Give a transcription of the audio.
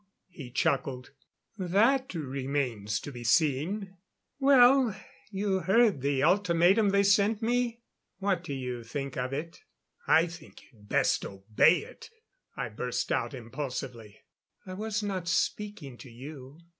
He chuckled. "That remains to be seen. Well, you heard the ultimatum they sent me? What do you think of it?" "I think you'd best obey it," I burst out impulsively. "I was not speaking to you."